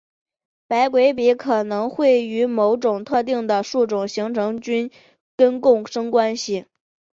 白鬼笔可能会与某些特定的树种形成菌根共生关系。